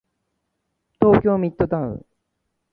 東京ミッドタウン